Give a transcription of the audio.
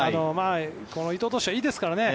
この伊藤投手はいいですからね。